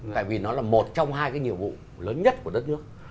lại vì nó là một trong hai cái nhiệm vụ lớn nhất của đất nước